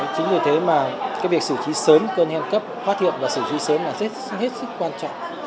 chính vì thế mà cái việc sử trí sớm cơn hen cấp phát hiện và sử trí sớm là rất quan trọng